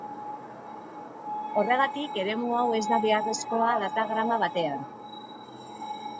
Horregatik eremu hau ez da beharrezkoa datagrama batean.